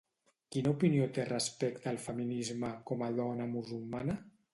Quina opinió té respecte al feminisme com a dona musulmana?